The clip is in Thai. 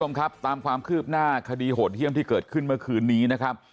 คุณผู้ชมครับตามความคืบหน้าคดีโหดเยี่ยมที่เกิดขึ้นเมื่อคืนนี้นะครับ